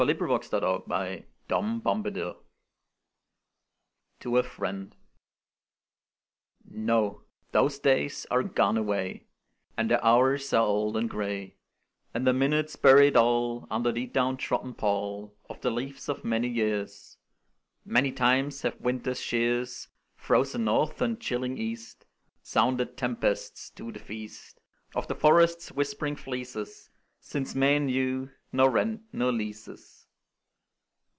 O Delphic Apollo! John Keats Robin Hood NO! those days are gone away, And their hours are old and gray, And their minutes buried all Under the down trodden pall Ofthe leaves of many years: Many times have winter's shears, Frozen North, and chilling East, Sounded tempests to the feast Of the forest's whispering fleeces, Since men knew nor rent nor leases.